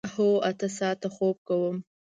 هو، اته ساعته خوب کوم